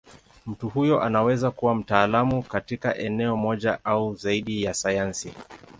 Mtu huyo anaweza kuwa mtaalamu katika eneo moja au zaidi ya sayansi.